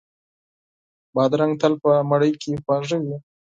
بادرنګ تل په ډوډۍ کې خواږه وي.